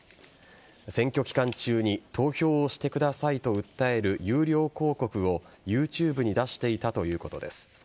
選挙期間中に投票をしてくださいと訴える有料広告をＹｏｕＴｕｂｅに出していたということです。